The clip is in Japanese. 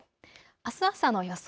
あす朝の予想